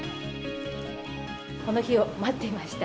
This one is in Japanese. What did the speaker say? この日を待っていました。